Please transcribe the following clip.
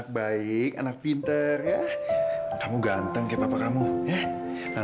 kalian kan sendiri kan